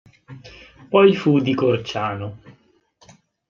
Poi fu di Corciano.